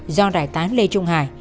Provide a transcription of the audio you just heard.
do đại tá lê trung hải